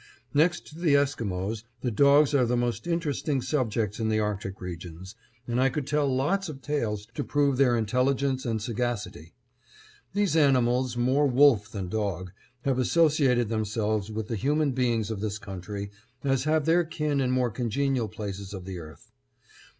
Next to the Esquimos, the dogs are the most interesting subjects in the Arctic regions, and I could tell lots of tales to prove their intelligence and sagacity. These animals, more wolf than dog, have associated themselves with the human beings of this country as have their kin in more congenial places of the earth.